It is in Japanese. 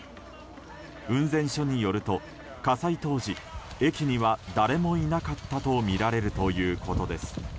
雲仙署によると火災当時駅には誰もいなかったとみられるということです。